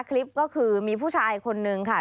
คลิปก็คือมีผู้ชายคนนึงค่ะ